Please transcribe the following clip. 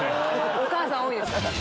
お母さん多いです。